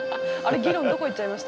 議論どこいっちゃいました？